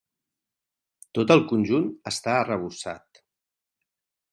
Tot el conjunt està arrebossat.